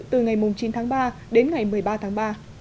từ ngày chín tháng ba đến ngày một mươi ba tháng ba